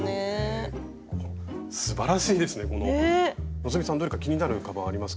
希さんどれか気になるカバンありますか？